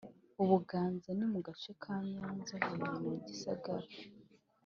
Ubuganza Ni mu gace ka Nyanza, Huye na Gisagara (Rusatira na Rubona)